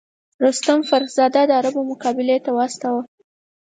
رستم فرُخ زاد د عربو مقابلې ته واستاوه.